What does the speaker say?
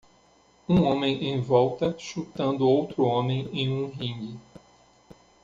Um homem em volta chutando outro homem em um ringue.